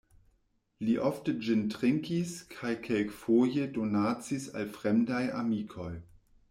Li ofte ĝin trinkis kaj kelkfoje donacis al fremdaj amikoj.